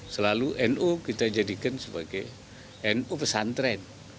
selalu nu kita jadikan sebagai nu pesantren